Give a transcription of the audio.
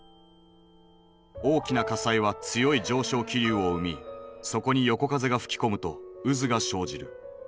大きな火災は強い上昇気流を生みそこに横風が吹き込むと渦が生じる。